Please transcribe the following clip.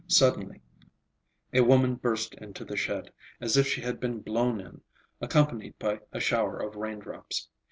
Suddenly a woman burst into the shed, as if she had been blown in, accompanied by a shower of rain drops.